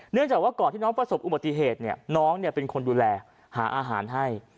เนื่องจากว่าก่อนที่น้องประสบอุบัติเหตุน้องเป็นคนดูแลหาอาหารให้